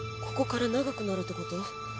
ここから長くなるってこと？